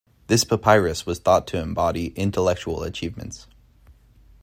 This papyrus was thought to embody intellectual achievements.